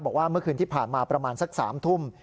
บอกว่าเมื่อคืนที่ผ่านมาประมาณสัก๓ทุ่ม